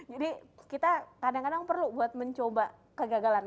jadi kita kadang kadang perlu buat mencoba kegagalan